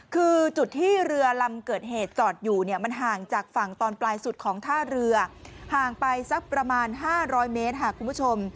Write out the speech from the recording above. คือจุดที่เรือลำเกิดเหตุจอดอยู่เนี่ยมันห่างจากฝั่งตอนปลายสุดของท่าเรือห่างไปสักประมาณ๕๐๐เมตรค่ะคุณผู้ชม